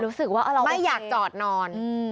รู้สึกว่าเราโอเคไม่อยากจอดนอน